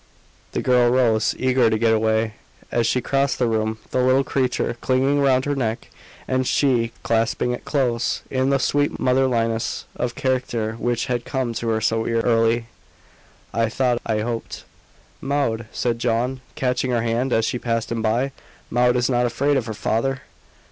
The girl rose, eager to get away. As she crossed the room the little creature clinging round her neck, and she clasping it close, in the sweet motherliness of character which had come to her so early I thought I hoped "Maud!" said John, catching her hand as she passed him by "Maud is not afraid of her father?"